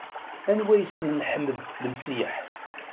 Anwa yessnen Ḥmed Lemseyyeḥ?